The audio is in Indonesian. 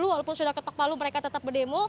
walaupun sudah ketok palu mereka tetap berdemo